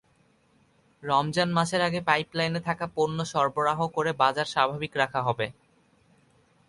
রমজান মাসের আগে পাইপলাইনে থাকা পণ্য সরবরাহ করে বাজার স্বাভাবিক রাখা হবে।